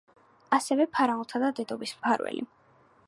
ასევე ფარაონთა და დედობის მფარველი.